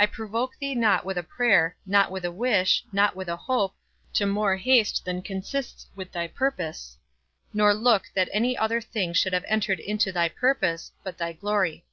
I provoke thee not with a prayer, not with a wish, not with a hope, to more haste than consists with thy purpose, nor look that any other thing should have entered into thy purpose, but thy glory.